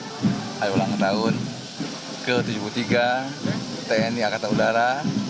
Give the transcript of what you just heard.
tahun ke tujuh puluh tiga tni angkatan udara